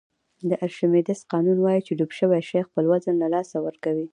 د ارشمیدس قانون وایي چې ډوب شوی شی خپل وزن له لاسه ورکوي.